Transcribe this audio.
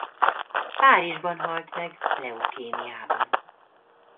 Párizsban halt meg leukémiában.